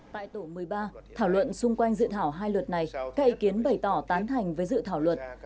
tại tổ một mươi ba thảo luận xung quanh dự thảo hai luật này các ý kiến bày tỏ tán thành với dự thảo luật